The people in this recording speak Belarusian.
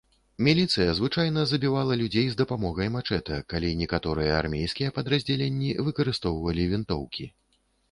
Міліцыя звычайна забівала людзей з дапамогай мачэтэ, калі некаторыя армейскія падраздзяленні выкарыстоўвалі вінтоўкі.